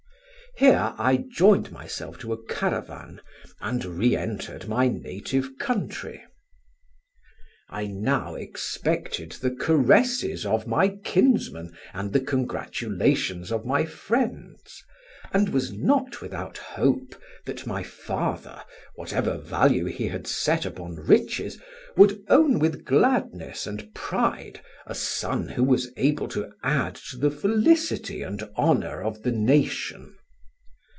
Here I joined myself to a caravan, and re entered my native country. "I now expected the caresses of my kinsmen and the congratulations of my friends, and was not without hope that my father, whatever value he had set upon riches, would own with gladness and pride a son who was able to add to the felicity and honour of the nation.